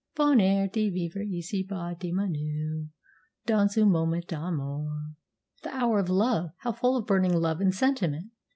Bonheur de vivre ici bas diminue Dans un moment d'amour. The Hour of Love! How full of burning love and sentiment!